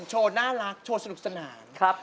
โชว์น่ารักโชว์สนุกสนาน